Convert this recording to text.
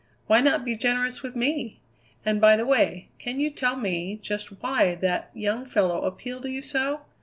Why not be generous with me? And, by the way, can you tell me just why that young fellow appealed to you so?